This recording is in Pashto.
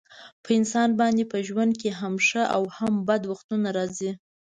په انسان باندې په ژوند کې هم ښه او هم بد وختونه راځي.